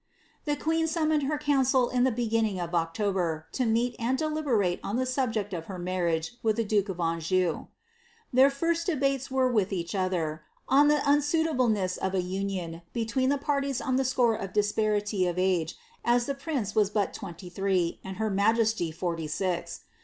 The queen summoned her council in the beginning of October, to meet and deliberate on the subject of her marriage with the duke of Anjou. Their first debates were with each other, on the unsuitableness of an union between the parties on the score of disparity of age, as the prince was but twenty three, and her majesty forty six.